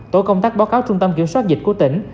tổ công tác báo cáo trung tâm kiểm soát dịch của tỉnh